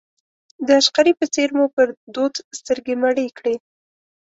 د عشقري په څېر مو پر دود سترګې مړې کړې.